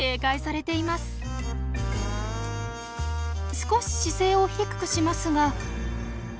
少し姿勢を低くしますが。